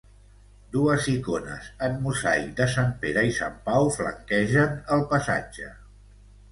Dues icones en mosaic de sant Pere i sant Pau flanquegen el passatge.